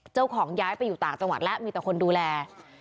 ย้ายไปอยู่ต่างจังหวัดแล้วมีแต่คนดูแล